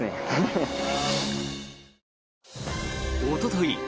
おととい